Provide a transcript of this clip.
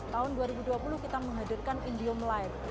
tahun dua ribu dua puluh kita menghadirkan indihome lite